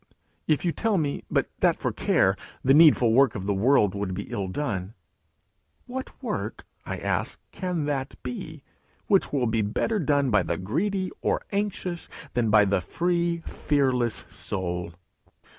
If you tell me that but for care, the needful work of the world would be ill done 'What work,' I ask, 'can that be, which will be better done by the greedy or anxious than by the free, fearless soul?